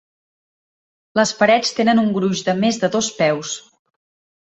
Les parets tenen un gruix de més de dos peus.